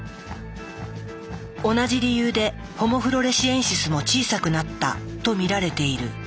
同じ理由でホモ・フロレシエンシスも小さくなったとみられている。